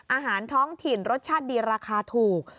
อาหารท้องถิ่นรสชาติดีราคาถูก